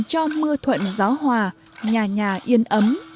cho mưa thuận gió hòa nhà nhà yên ấm